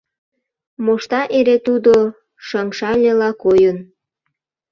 Мошта эре тудо шыҥшальыла койын.